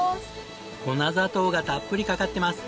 粉砂糖がたっぷりかかってます。